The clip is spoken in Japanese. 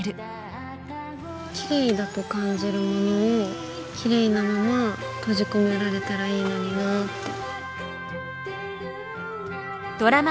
きれいだと感じるものをきれいなまま閉じ込められたらいいのになぁって。